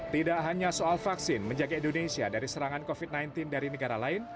tidak hanya soal vaksin menjaga indonesia dari serangan covid sembilan belas dari negara lain